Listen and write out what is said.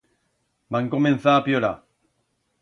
Van comenzar a pllorar.